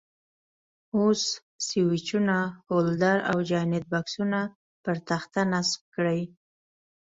اوس سویچونه، هولډر او جاینټ بکسونه پر تخته نصب کړئ.